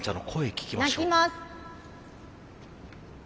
鳴きます。